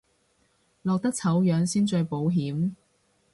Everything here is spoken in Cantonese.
落得醜樣先最保險